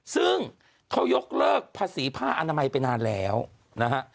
ซึ่งเขายกเลิกภาษีผ้าอนามัยไปนานแล้วนะฮะ